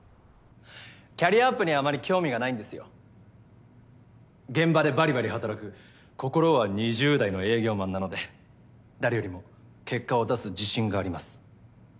キャリアアップにはあまり興味がないんで現場でばりばり働く心は２０代の営業マンなので誰よりも結果を出す自信があります。